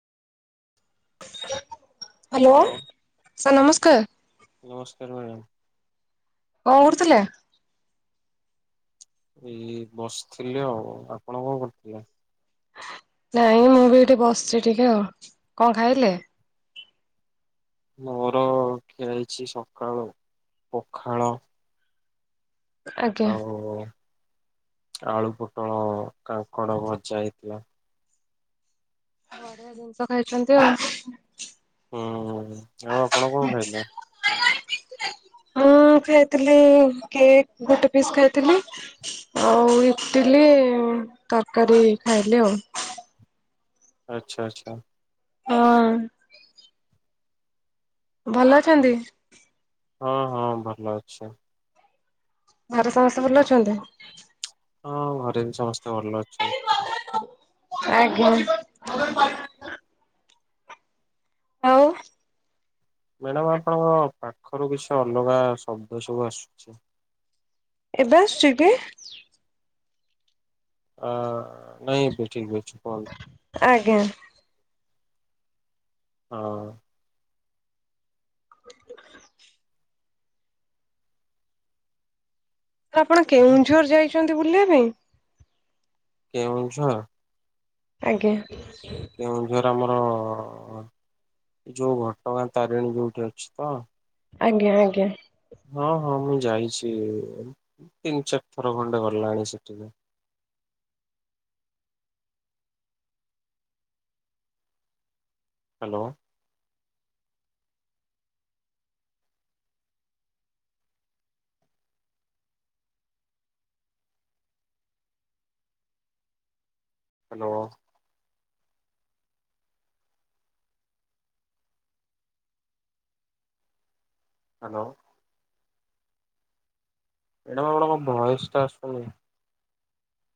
Hello sir ନମସ୍କାର ନମସ୍କାର madam କଁ ଉଠଥିଲେ ଏଇ ବସିଥିଲି ଆଉ ଆପଣ କଣ କରିୁଥିଲେ ନାଇଁ ମୁଁ ବି ଏଠି ବସିଛି ଟିକେ ଆଉ କଣ ଖାଇଲେ ମୋର ଖେଳିଛି ସକାଳୁ ପଖାଳ ଆଜ୍ଞା ଆଉ ଆଳୁ ପୋଟଳ କାଙ୍କଡ ଭଜା ହେଇଥିଲା ବଢିଆ ଜିନିଷ ଖାଇଛନ୍ତି ଆଉ ହୁଁ ଆଉ ଆପଣ କଣ ଖାଇଲେ ହଁ ଖାଇଥିଲି କେକ୍ ଗୋଟେ ପିସ୍ ଖାଇଥିଲି ଆଉ ଇଟିଲି ତରକାରୀ ଖାଇଲି ଆଉ ଆଚ୍ଛା ଆଚ୍ଛା ହଁ ଭଲ ଅଛନ୍ତି ହଁ ହଁ ଭଲ ଅଛ। ଘରେ ସମସ୍ତେ ଭଲ ଅଛନ୍ତି। ହଁ ଘରେ ଏନଶ୍ ସମସ୍ତେ ଭଲ ଅଛନ୍ତି। ଆଜ୍ଞା ହଉ ମ୍ୟାଡ଼ାାମ ଆପଣଙ୍କ ପାଖରୁ କିଛି ଅଲଗା ଶବ୍ଦ ସବୁ ଆସୁଛି। ଏବେ ସ୍ୱେପେ ଅ ନାଇ ଏବେଠିକ ଅଛିକୁହନ୍ତୁ। ଆଜ୍ଞା ହଁ। [unintelligible] ଆପଣ କେଉଁଝର ଯାଇଛନ୍ତି ବୁଲିବା ପାଇଁ? କେଉଁଝର। ଆଜ୍ଞା। କେଉଁଝର ଆମର ଯୋଉ ଘଟଗାଁ ତାରିଣୀ ଯୋଉଠି ଅଛି ତ! ଆଜ୍ଞା ଆଜ୍ଞା। ହଁ ହଁ ମୁଁ ଯାଇଛି ତିନି ଚାରି ଥର ଖଣ୍ଡେ ଗଲାଣି ସେଠିକି। ହ୍ୟାଲୋ। ହ୍ୟାଲୋ। ହ୍ୟାଲୋ। ଏଡା ଏ ମୋ ଭଏସ ଟା ଆସୁନି।